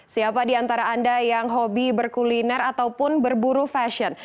siapa di antara anda yang hobi berkuliner ataupun berburu fashion